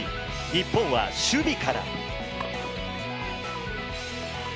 日本は守備から。